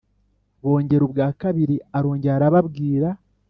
Bongera ubwa kabiri Arongera arababwira